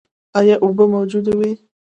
ایا اوبه موجودې وې؟